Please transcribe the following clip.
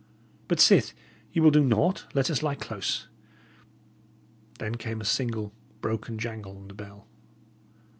But sith ye will do naught, let us lie close." Then came a single, broken jangle on the bell.